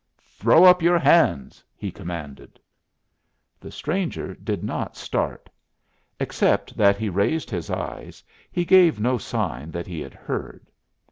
"Throw up your hands!" he commanded. The stranger did not start. Except that he raised his eyes he gave no sign that he had heard.